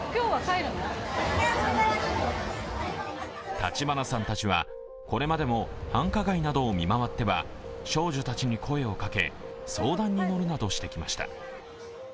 橘さんたちは、これまでも繁華街などを見回っては少女たちに声をかけ、相談に乗るなどしてきました。